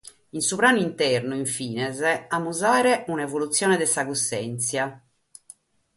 In su pranu internu, in fines, amus a àere un’evolutzione de sa cussèntzia.